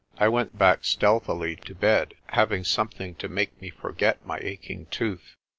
I went back stealthily to bed, having something to make me forget my aching tooth.